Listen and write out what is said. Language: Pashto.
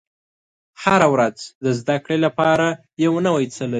• هره ورځ د زده کړې لپاره یو نوی څه لري.